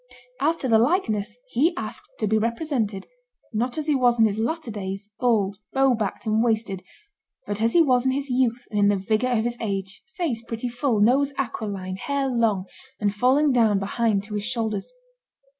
As to the likeness, he asked to be represented, not as he was in his latter days, bald, bow backed, and wasted, but as he was in his youth and in the vigor of his age, face pretty full, nose aquiline, hair long, and falling down behind to his shoulders.